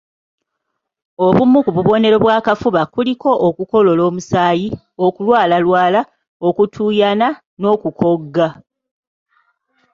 Obumu ku bubonero bw'akafuba kuliko okukolola omusaayi, okulwalalwala, okutuuyana n'okukogga